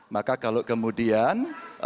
maka kalau kemudian